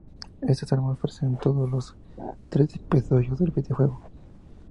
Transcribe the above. Estas armas aparecen en todos los tres episodios del videojuego.